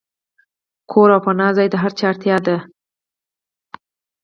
کور او پناه ځای د هر چا اړتیا ده.